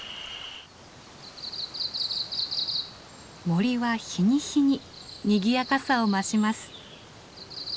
森は日に日ににぎやかさを増します。